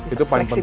itu paling penting